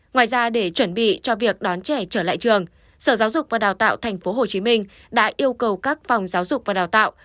ngoài ra để chuẩn bị cho việc đón trẻ trở lại trường sở giáo dục và đào tạo tp hcm đã yêu cầu các phòng giáo dục và đào tạo